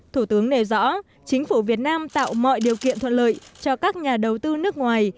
thủ tướng nề rõ chính phủ việt nam tạo mọi điều kiện thuận lợi cho các nhà đầu tư nước ngoài